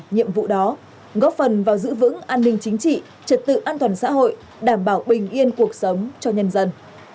nhiệm vụ đó góp phần vào giữ vững an ninh chính trị trật tự an toàn xã hội đảm bảo bình yên cuộc sống cho nhân dân